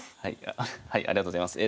ありがとうございます。